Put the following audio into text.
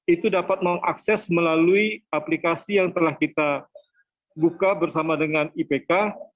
itu dapat mengakses melalui aplikasi yang telah kita buka bersama dengan ipk